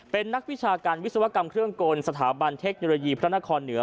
เป็นนักวิชาการวิศวกรรมเครื่องกลสถาบันเทคโนโลยีพระนครเหนือ